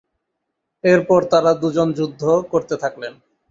এরপর তারা দুজন যুদ্ধ করতে থাকলেন।